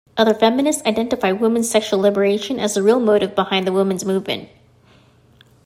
Other feminists identify women's sexual liberation as the real motive behind the women's movement.